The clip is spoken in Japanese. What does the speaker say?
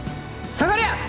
下がりゃ！